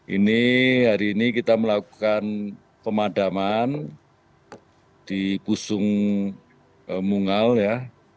ini hari ini kita melakukan pemadaman di pusung mungal ya